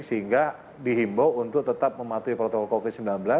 sehingga dihimbau untuk tetap mematuhi protokol covid sembilan belas